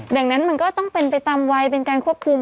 ดังนั้นมันก็ต้องเป็นไปตามวัยเป็นการควบคุม